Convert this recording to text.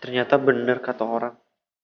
ternyata benar kata orang